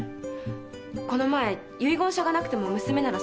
この前「遺言書がなくても娘なら相続できる。